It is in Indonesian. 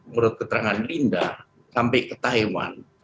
menurut keterangan linda sampai ke taiwan